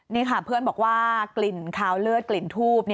นี่ค่ะเพื่อนบอกว่ากลิ่นคาวเลือดกลิ่นทูบ